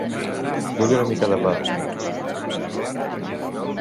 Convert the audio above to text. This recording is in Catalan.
Vull una mica de pa.